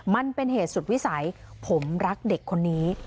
มันเป็นเหตุสุดวิสัยผมรักเด็กคนนี้